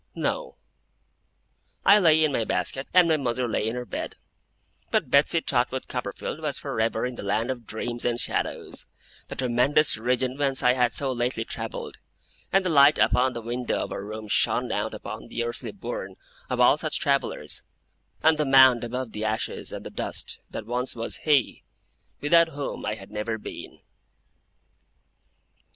No. I lay in my basket, and my mother lay in her bed; but Betsey Trotwood Copperfield was for ever in the land of dreams and shadows, the tremendous region whence I had so lately travelled; and the light upon the window of our room shone out upon the earthly bourne of all such travellers, and the mound above the ashes and the dust that once was he, without whom I had never been.